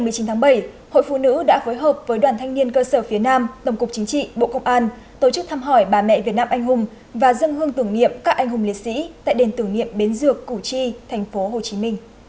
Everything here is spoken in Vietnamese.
ngày một mươi chín tháng bảy hội phụ nữ đã phối hợp với đoàn thanh niên cơ sở phía nam tổng cục chính trị bộ công an tổ chức thăm hỏi bà mẹ việt nam anh hùng và dân hương tưởng niệm các anh hùng liệt sĩ tại đền tưởng niệm bến dược củ chi tp hcm